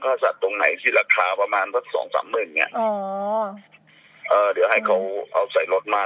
ถ้าสัตว์ตรงไหนที่ราคาประมาณสักสองสามหมื่นอย่างเงี้ยอ๋อเออเดี๋ยวให้เขาเอาใส่รถมา